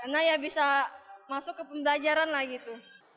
karena ya bisa masuk ke pembelajaran lah gitu